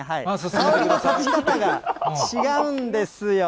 、香りの立ち方が違うんですよ。